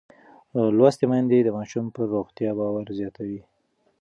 لوستې میندې د ماشوم پر روغتیا باور زیاتوي.